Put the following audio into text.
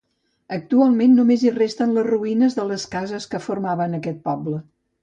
Actualment només hi resten les ruïnes de les cases que formaven aquest poble.